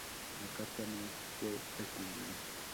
La carta no fue respondida.